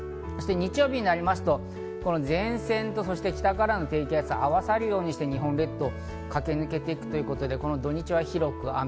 日曜日になりますと、この前線と北からの低気圧が合わさるようにして日本列島を駆け抜けていくということで、土・日は広く雨。